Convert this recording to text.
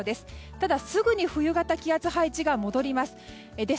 ただすぐに冬型の気圧配置が戻ります。